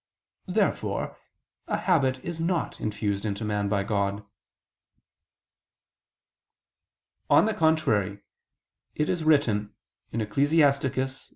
Therefore a habit is not infused into man by God. On the contrary, it is written (Ecclus.